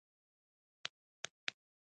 د مشرانو خدمت او دعا د ژوند برکت دی.